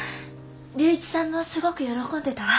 龍一さんもすごく喜んでたわ。